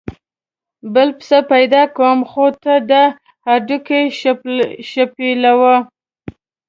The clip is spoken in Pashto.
بل پسه پیدا کوم خو ته دا هډوکي شپېلوه.